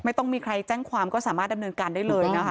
ไม่ต้องมีใครแจ้งความก็สามารถดำเนินการได้เลยนะคะ